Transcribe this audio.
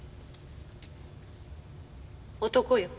男よ。